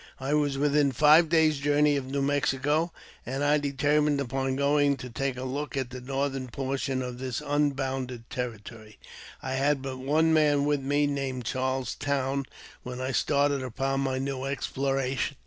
I was within five days' journey of New Mexico, and I determined xipon going to take a look at the northern portion of this unbounded territory. I had but one man with me, named Charles Towne, when I started upon my new exploration.